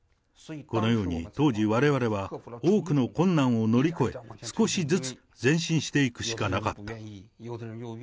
このように、当時、われわれは多くの困難を乗り越え、少しずつ前進していくしかなかった。